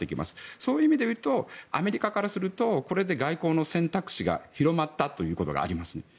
そういう意味でいうとアメリカからするとこれで外交の選択肢が広まったということがあります。